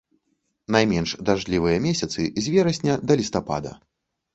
Найменш дажджлівыя месяцы з верасня да лістапада.